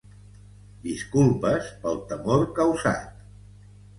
"disculpes pel temor causat".